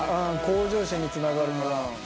向上心につながるから。